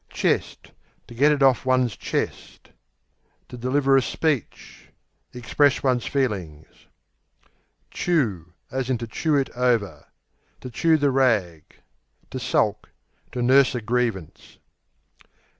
Chest, to get it off one's To deliver a speech; express one's feelings. Chew, to chew it over; to chew the rag To sulk; to nurse a grievance.